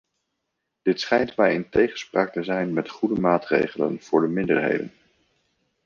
Dit schijnt mij in tegenspraak te zijn met goede maatregelen voor de minderheden.